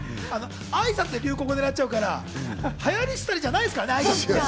あいさつで流行語を狙っちゃうから、流行り廃りじゃないですからね。